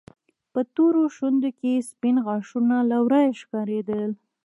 په تورو شونډو کې يې سپين غاښونه له ورايه ښکارېدل.